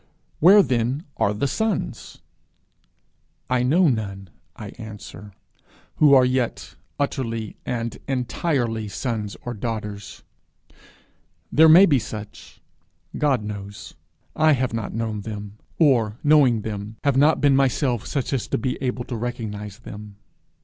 Where then are the sons? I know none, I answer, who are yet utterly and entirely sons or daughters. There may be such God knows; I have not known them; or, knowing them, have not been myself such as to be able to recognize them.